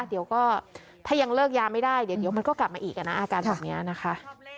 เดี๋ยวก็ถ้ายังเลิกยาไม่ได้เดี๋ยวมันก็กลับมาอีกนะอาการแบบนี้นะคะ